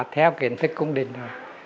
theo kiến thức cung đình thôi